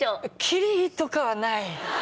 キリいいとかはない。